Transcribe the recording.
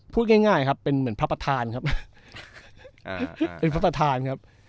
พูดง่ายครับเป็นเหมือนพระประธานครับ